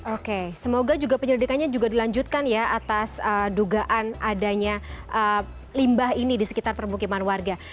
oke semoga juga penyelidikannya juga dilanjutkan ya atas dugaan adanya limbah ini di sekitar permukiman warga